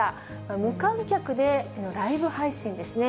無観客でのライブ配信ですね。